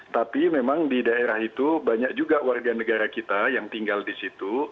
tapi memang di daerah itu banyak juga warga negara kita yang tinggal di situ